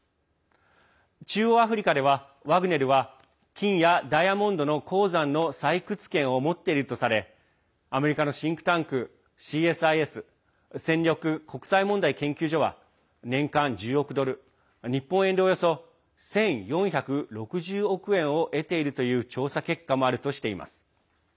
中央アフリカでは、ワグネルは金やダイヤモンドの鉱山の採掘権を持っているとされアメリカのシンクタンクＣＳＩＳ＝戦略国際問題研究所は年間１０億ドル、日本円でおよそ１４６０億円を得ているという調査結果もあるとしています。